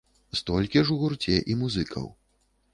Столькі ж у гурце і музыкаў.